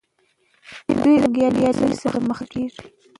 دوی له جنګیالیو سره مخ کیږي.